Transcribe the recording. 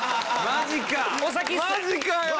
マジかよ！